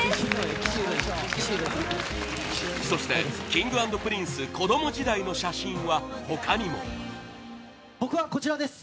そしてＫｉｎｇ＆Ｐｒｉｎｃｅ子供時代の写真は、他にも平野：僕は、こちらです。